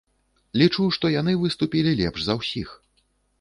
Лічу, што яны выступілі лепш за ўсіх.